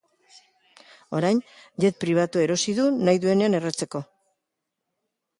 Orain, jet pribatua erosi du nahi duenean erretzeko.